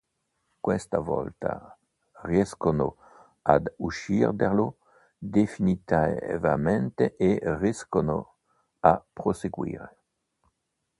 Questa volta riescono ad ucciderlo definitivamente e riescono a proseguire.